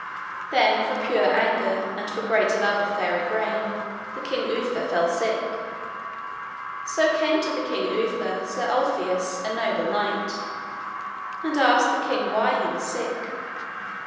Then for pure anger and for great love of fair Igraine the king Uther fell sick. So came to the king Uther Sir Ulfius, a noble knight, and asked the king why he was sick.